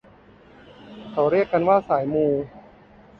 เขาเรียกกันว่าสายมู